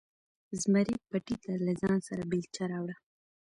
زمري پټي ته له ځانه سره بیلچه راوړه.